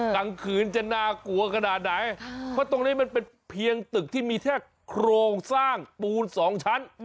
กลางคืนจะน่ากลัวขนาดไหนเพราะตรงนี้มันเป็นเพียงตึกที่มีแค่โครงสร้างปูนสองชั้น